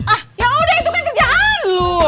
ah ya udah itu kan kerjaan lo